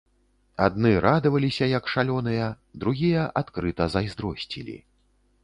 Адны радаваліся, як шалёныя, другія адкрыта зайздросцілі.